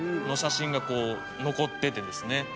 「の写真がこう残っててですね」